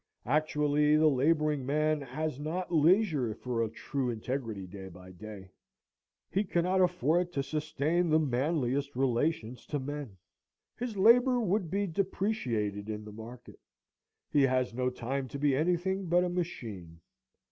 Actually, the laboring man has not leisure for a true integrity day by day; he cannot afford to sustain the manliest relations to men; his labor would be depreciated in the market. He has no time to be anything but a machine.